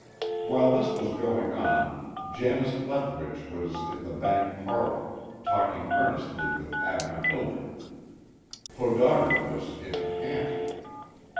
While this was going on, Janus Leftwitch was in the bank parlor, talking earnestly with Abner Hildreth. Podauger was in a panic.